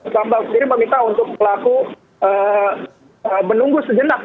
bambang sendiri meminta untuk pelaku menunggu sejenak